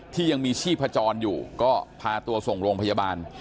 ที่ยังมีชีพจรอยู่ก็พาตัวส่งโรงพยาบาล